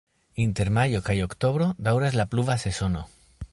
Inter majo kaj oktobro daŭras la pluva sezono.